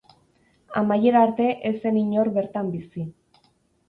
Amaiera arte ez zen inor bertan bizi.